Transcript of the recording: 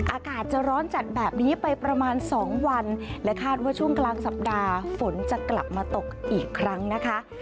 อากาศจะร้อนจัดแบบนี้ไปประมาณ๒วันและคาดว่าช่วงกลางสัปดาห์ฝนจะกลับมาตกอีกครั้งนะคะ